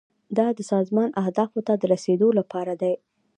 دا د سازمان اهدافو ته د رسیدو لپاره دی.